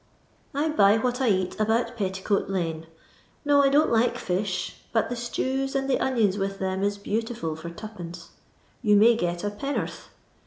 I buy what I eat about Tetticoat lane. No, I don't like fish, but the stews, and the onions with them is beautiful for two pence ; Toa may get a pennor'th.